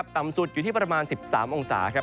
ต่ำสุดอยู่ที่ประมาณ๑๓องศาครับ